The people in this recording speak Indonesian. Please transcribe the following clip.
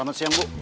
selamat siang bu